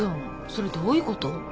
それどういう事？